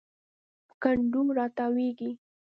په کنډو راتاویږي